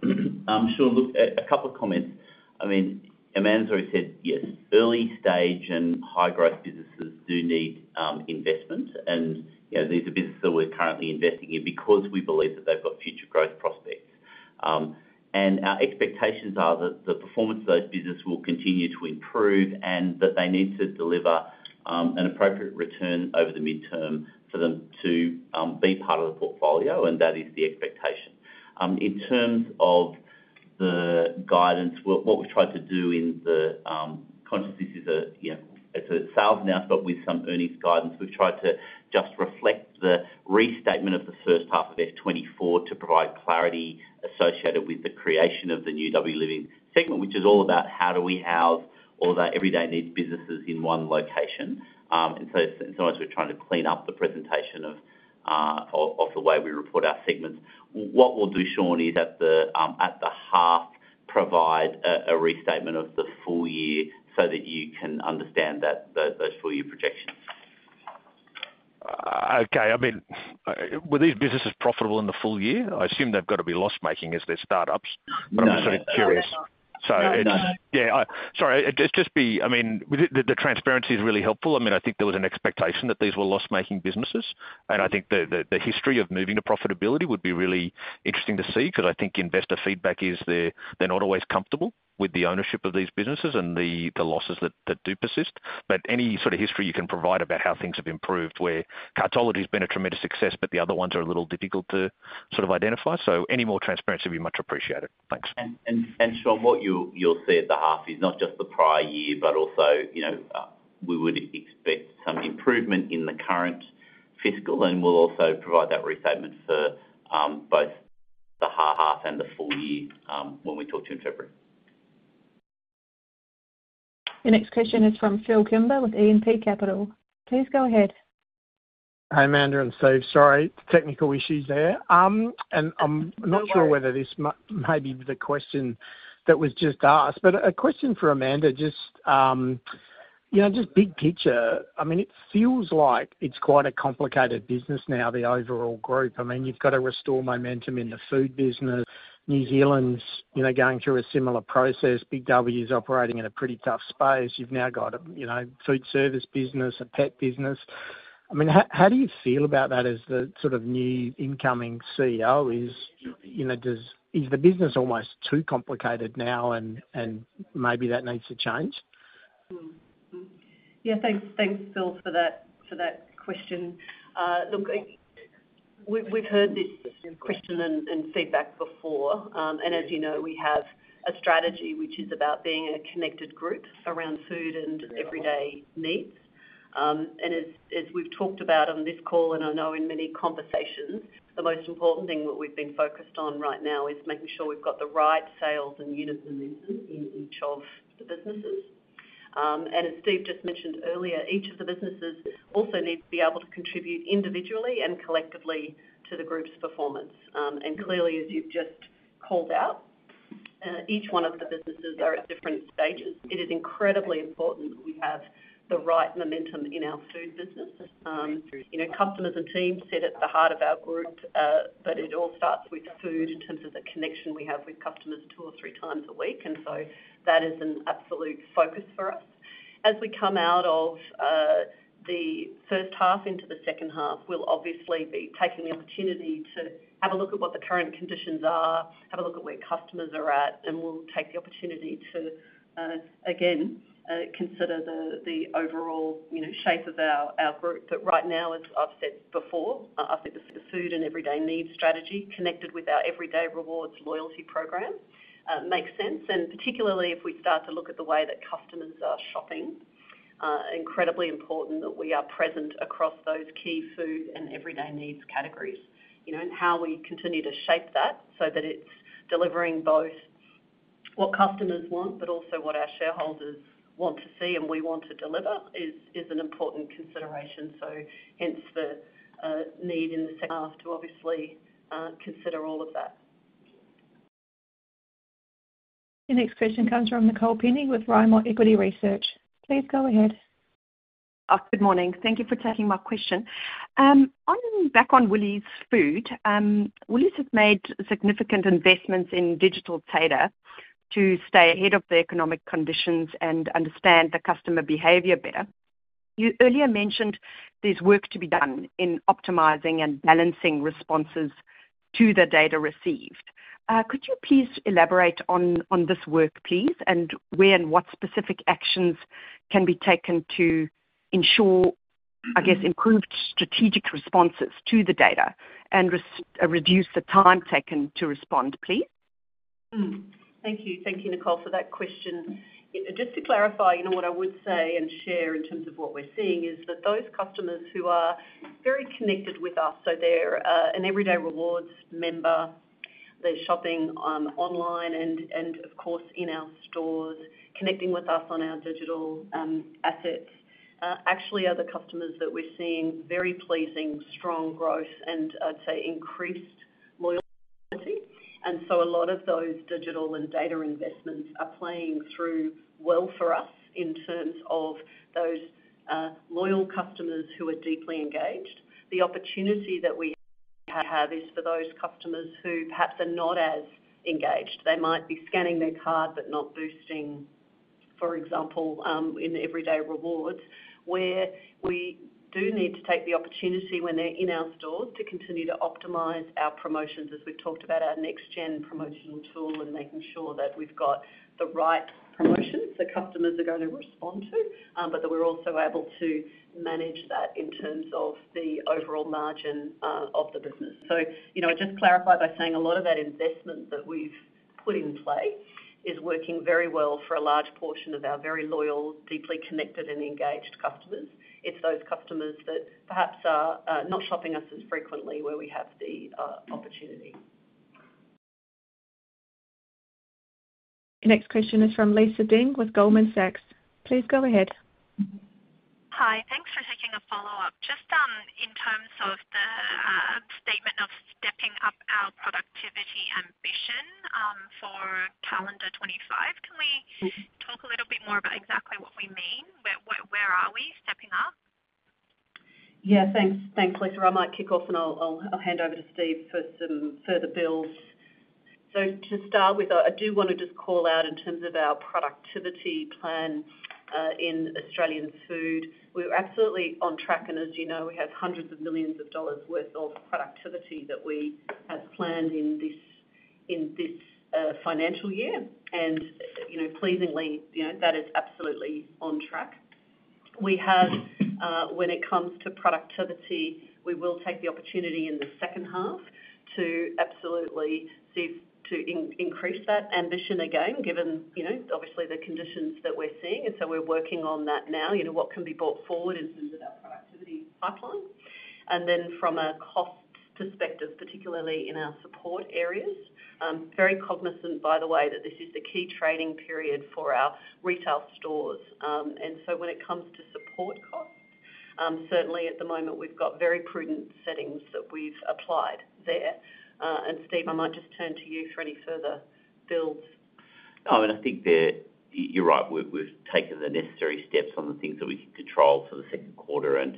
I'm sure a couple of comments. I mean, Amanda's already said, yes, early-stage and high-growth businesses do need investment. And these are businesses that we're currently investing in because we believe that they've got future growth prospects. And our expectations are that the performance of those businesses will continue to improve and that they need to deliver an appropriate return over the midterm for them to be part of the portfolio. And that is the expectation. In terms of the guidance, what we've tried to do in the commentary is it's a sales announcement with some earnings guidance. We've tried to just reflect the restatement of the first half of F 2024 to provide clarity associated with the creation of the new W Living segment, which is all about how do we house all of our everyday needs businesses in one location, and so in some ways, we're trying to clean up the presentation of the way we report our segments. What we'll do, Shaun, is at the half, provide a restatement of the full year so that you can understand those full year projections.
Okay. I mean, were these businesses profitable in the full year? I assume they've got to be loss-making as they're startups. But I'm just sort of curious. So yeah. Sorry. I mean, the transparency is really helpful. I mean, I think there was an expectation that these were loss-making businesses. I think the history of moving to profitability would be really interesting to see because I think investor feedback is they're not always comfortable with the ownership of these businesses and the losses that do persist. But any sort of history you can provide about how things have improved, where Cartology has been a tremendous success, but the other ones are a little difficult to sort of identify. So any more transparency would be much appreciated.
Thanks. And Shaun, what you'll see at the half is not just the prior year, but also we would expect some improvement in the current fiscal. And we'll also provide that restatement for both the half and the full year when we talk to you in February.
The next question is from Phil Kimber with E&P Capital. Please go ahead.
Hi, Amanda. I'm sorry. Technical issues there. I'm not sure whether this may be the question that was just asked, but a question for Amanda, just big picture. I mean, it feels like it's quite a complicated business now, the overall group. I mean, you've got to restore momentum in the food business. New Zealand's going through a similar process. Big W is operating in a pretty tough space. You've now got a food service business, a pet business. I mean, how do you feel about that as the sort of new incoming CEO? Is the business almost too complicated now, and maybe that needs to change?
Yeah. Thanks, Phil, for that question. Look, we've heard this question and feedback before. As you know, we have a strategy which is about being a connected group around food and everyday needs. As we've talked about on this call and I know in many conversations, the most important thing that we've been focused on right now is making sure we've got the right sales and unit penetration in each of the businesses. As Steve just mentioned earlier, each of the businesses also needs to be able to contribute individually and collectively to the group's performance. Clearly, as you've just called out, each one of the businesses are at different stages. It is incredibly important that we have the right momentum in our food business. Customers and teams sit at the heart of our group, but it all starts with food in terms of the connection we have with customers two or three times a week. That is an absolute focus for us. As we come out of the first half into the second half, we'll obviously be taking the opportunity to have a look at what the current conditions are, have a look at where customers are at, and we'll take the opportunity to, again, consider the overall shape of our group. But right now, as I've said before, I've said the food and everyday needs strategy connected with our Everyday Rewards loyalty program makes sense. And particularly if we start to look at the way that customers are shopping, incredibly important that we are present across those key food and everyday needs categories. And how we continue to shape that so that it's delivering both what customers want, but also what our shareholders want to see and we want to deliver is an important consideration. So hence the need in the second half to obviously consider all of that.
The next question comes from Nicole Penny with Rimor Equity Research. Please go ahead.
Good morning. Thank you for taking my question. Back on Woolies Food. Woolies has made significant investments in digital data to stay ahead of the economic conditions and understand the customer behavior better. You earlier mentioned there's work to be done in optimizing and balancing responses to the data received. Could you please elaborate on this work, please, and where and what specific actions can be taken to ensure, I guess, improved strategic responses to the data and reduce the time taken to respond, please?
Thank you. Thank you, Nicole, for that question. Just to clarify, what I would say and share in terms of what we're seeing is that those customers who are very connected with us, so they're an Everyday Rewards member, they're shopping online and, of course, in our stores, connecting with us on our digital assets, actually are the customers that we're seeing very pleasing strong growth and, I'd say, increased loyalty, and so a lot of those digital and data investments are playing through well for us in terms of those loyal customers who are deeply engaged. The opportunity that we have is for those customers who perhaps are not as engaged. They might be scanning their card but not boosting, for example, in the Everyday Rewards, where we do need to take the opportunity when they're in our stores to continue to optimize our promotions as we've talked about our next-gen promotional tool and making sure that we've got the right promotions that customers are going to respond to, but that we're also able to manage that in terms of the overall margin of the business. So I just clarify by saying a lot of that investment that we've put in play is working very well for a large portion of our very loyal deeply connected, and engaged customers. It's those customers that perhaps are not shopping us as frequently where we have the opportunity.
The next question is from Lisa Deng with Goldman Sachs. Please go ahead.
Hi. Thanks for taking a follow-up. Just in terms of the statement of stepping up our productivity ambition for calendar 2025, can we talk a little bit more about exactly what we mean? Where are we stepping up?
Yeah. Thanks. Thanks, Lisa. I might kick off, and I'll hand over to Steve for some further builds. So to start with, I do want to just call out in terms of our productivity plan in Australian food. We're absolutely on track. And as you know, we have hundreds of millions of AUD worth of productivity that we have planned in this financial year. And pleasingly, that is absolutely on track. When it comes to productivity, we will take the opportunity in the second half to absolutely increase that ambition again, given obviously the conditions that we're seeing. And so we're working on that now, what can be brought forward in terms of our productivity pipeline. Then from a cost perspective, particularly in our support areas, very cognizant, by the way, that this is the key trading period for our retail stores. And so when it comes to support costs, certainly at the moment, we've got very prudent settings that we've applied there. And Steve, I might just turn to you for any further builds.
Oh, and I think you're right. We've taken the necessary steps on the things that we can control for the second quarter. And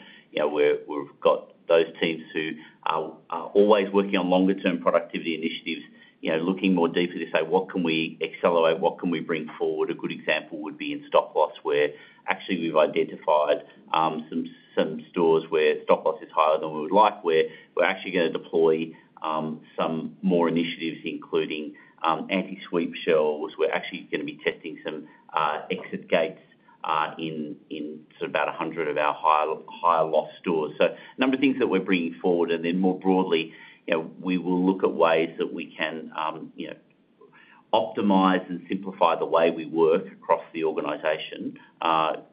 we've got those teams who are always working on longer-term productivity initiatives, looking more deeply to say, "What can we accelerate? What can we bring forward?" A good example would be in stock loss, where actually we've identified some stores where stock loss is higher than we would like, where we're actually going to deploy some more initiatives, including anti-sweep shelves. We're actually going to be testing some exit gates in sort of about 100 of our higher-loss stores, so a number of things that we're bringing forward, and then more broadly, we will look at ways that we can optimize and simplify the way we work across the organization,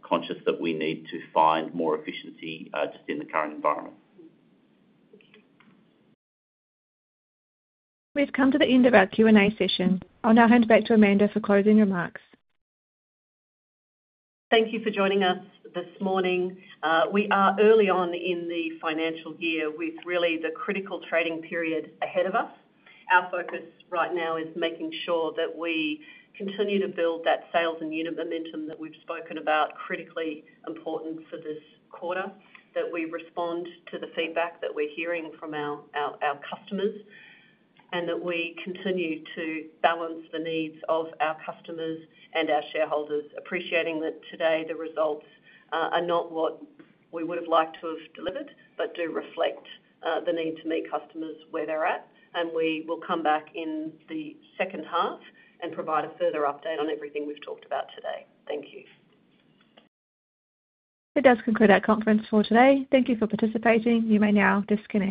conscious that we need to find more efficiency just in the current environment.
We've come to the end of our Q&A session. I'll now hand back to Amanda for closing remarks.
Thank you for joining us this morning. We are early on in the financial year with really the critical trading period ahead of us. Our focus right now is making sure that we continue to build that sales and unit momentum that we've spoken about, critically important for this quarter, that we respond to the feedback that we're hearing from our customers, and that we continue to balance the needs of our customers and our shareholders, appreciating that today the results are not what we would have liked to have delivered but do reflect the need to meet customers where they're at. And we will come back in the second half and provide a further update on everything we've talked about today. Thank you.
It does conclude our conference for today. Thank you for participating. You may now disconnect.